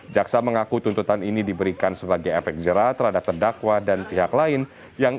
jaksa mengaku tuntutan ini diberikan sebagai efek jerah terhadap terdakwa dan pihak lain yang